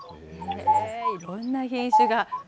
いろんな品種が。